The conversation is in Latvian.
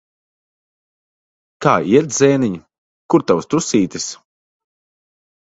Kā iet, zēniņ? Kur tavs trusītis?